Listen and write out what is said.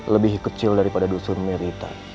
lebih kecil daripada dusun merita